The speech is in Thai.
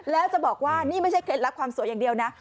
แล้วจะบอกว่านี่ไม่ใช่เคล็ดลับความสวยอย่างเดียวนะ